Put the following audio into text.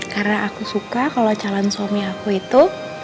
karena aku suka kalau calon suami aku itu